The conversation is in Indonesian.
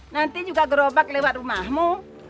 nanti juga gerobak lewat rumahmu